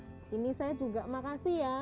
nah ini saya juga makasih ya